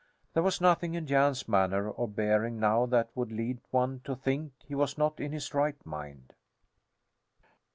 There was nothing in Jan's manner or bearing now that would lead one to think he was not in his right mind.